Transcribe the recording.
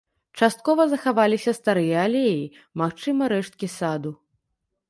Часткова захаваліся старыя алеі, магчыма, рэшткі саду.